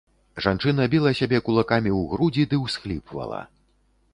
Жанчына біла сябе кулакамі ў грудзі ды ўсхліпвала.